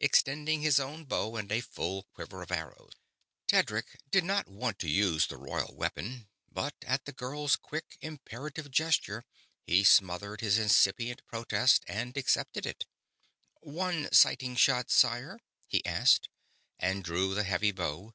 extending his own bow and a full quiver of arrows. Tedric did not want to use the royal weapon, but at the girl's quick, imperative gesture he smothered his incipient protest and accepted it. "One sighting shot, sire?" he asked, and drew the heavy bow.